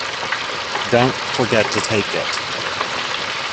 Don't forget to take it!